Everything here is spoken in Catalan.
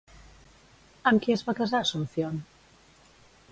Amb qui es va casar Asunción?